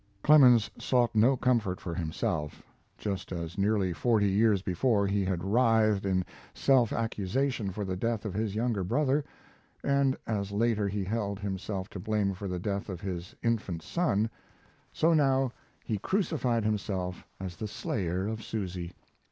Clemens sought no comfort for himself. Just as nearly forty years before he had writhed in self accusation for the death of his younger brother, and as later he held himself to blame for the death of his infant son, so now he crucified himself as the slayer of Susy.